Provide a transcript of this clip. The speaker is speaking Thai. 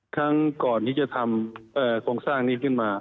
ครั้งก่อนที่จะทำโครงสร้างนี้ขึ้นมา